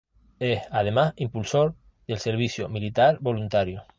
Es además impulsor del servicio militar voluntario.